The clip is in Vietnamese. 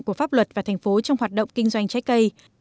của pháp luật và thành phố trong hoạt động kinh doanh trái cây